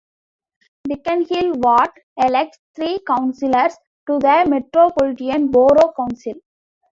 Bickenhill ward elects three councillors to the metropolitan borough council.